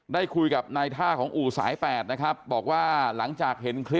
ได้คุยกับนายท่าของอู่สายแปดนะครับบอกว่าหลังจากเห็นคลิป